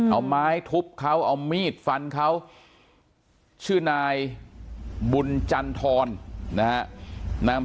เอาไม้ทุบเขาเอามีดฟันเขาชื่อนายบุญจันทรนะฮะ